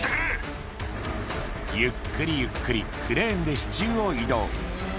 ゆっくりゆっくり、クレーンで支柱を移動。